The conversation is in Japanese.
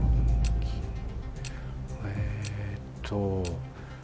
えっと。